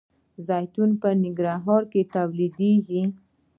زیتون په ننګرهار کې تولیدیږي.